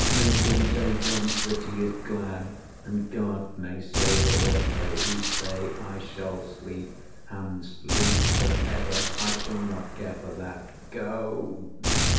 Make him say once That he is glad, and God may say the rest. Though He say I shall sleep, and sleep for ever, I shall not care for that ... Go!"